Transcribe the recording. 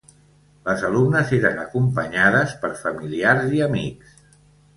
Les alumnes eren acompanyades per familiars i amics.